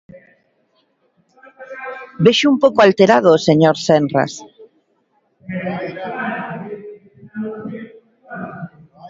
Vexo un pouco alterado ao señor Senras.